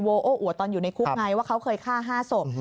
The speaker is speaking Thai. โอ้อวดตอนอยู่ในคุกไงว่าเขาเคยฆ่า๕ศพ